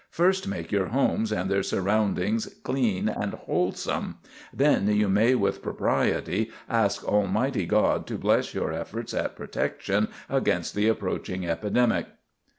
First make your homes and their surroundings clean and wholesome; then you may with propriety ask Almighty God to bless your efforts at protection against the approaching epidemic."